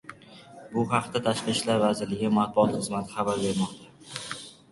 Bu haqda Tashqi ishlar vazirligi matbuot xizmati xabar bermoqda